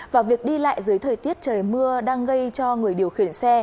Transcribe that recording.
và việc đi lại dưới thời tiết trời mưa đang gây cho người điều khiển xe